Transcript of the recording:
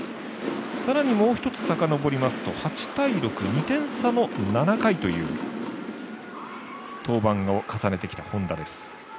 さらにもう一つさかのぼりますと８対６２点差の７回という登板を重ねてきた本田です。